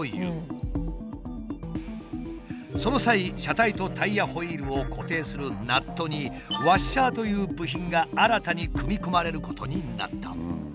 その際車体とタイヤホイールを固定するナットに「ワッシャー」という部品が新たに組み込まれることになった。